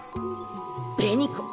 紅子！